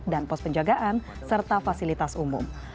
dan pos penjagaan serta fasilitas umum